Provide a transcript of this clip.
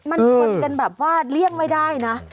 มันชนกันแบบว่าเลี่ยงไม่ได้นะ